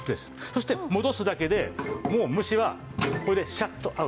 そして戻すだけでもう虫はこれでシャットアウトです。